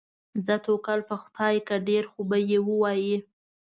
ځه توکل په خدای کړه، ډېر خوبه یې ووایې.